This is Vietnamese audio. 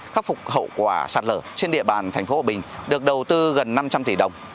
khắc phục hậu quả sạt lở trên địa bàn tp hcm được đầu tư gần năm trăm linh tỷ đồng